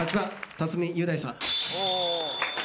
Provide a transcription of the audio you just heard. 辰巳雄大さん。